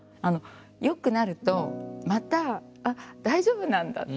良くなるとまたあっ大丈夫なんだ。